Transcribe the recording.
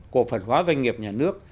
cổ phần hóa doanh nghiệp nhà nước